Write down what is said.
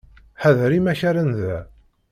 Ḥader imakaren da.